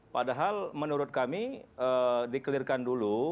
padahal menurut kami di clear kan dulu